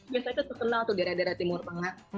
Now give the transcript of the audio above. biasanya itu terkenal tuh di daerah daerah timur banget